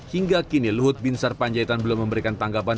hingga kini luhut bin sar panjaitan belum memberikan tanggapan